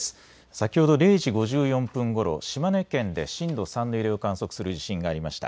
先ほど０時５４分ごろ島根県で震度３の揺れを観測する地震がありました。